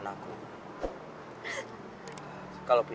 meyakinkan saya juga semua